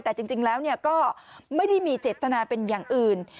แต่จริงแล้วก็ไม่ได้มีเจตนาเป็นอย่างอื่น